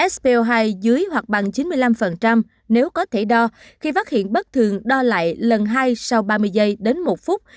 sp hai dưới hoặc bằng chín mươi năm nếu có thể đo khi phát hiện bất thường đo lại lần hai sau ba mươi giây đến một phút